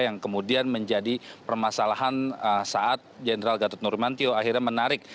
yang kemudian menjadi permasalahan saat general gatot nurmantio akhirnya menarik